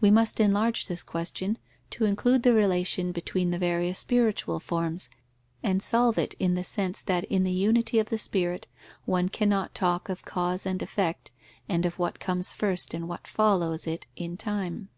We must enlarge this question, to include the relation between the various spiritual forms, and solve it in the sense that in the unity of the spirit one cannot talk of cause and effect and of what comes first and what follows it in time.